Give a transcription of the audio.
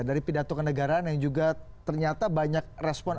dari pidato kenegaraan yang juga ternyata banyak respon